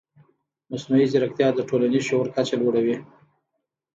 مصنوعي ځیرکتیا د ټولنیز شعور کچه لوړوي.